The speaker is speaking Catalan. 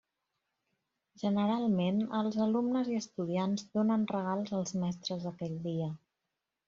Generalment els alumnes i estudiants donen regals als mestres aquell dia.